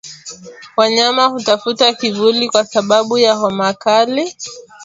Wanyama hutafuta kivuli kwa sababu ya homa kali